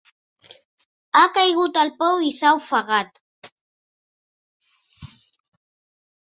Ha caigut al pou i s'ha ofegat.